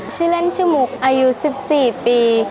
ชื่อเล่นชื่อมุกอายุ๑๔ปี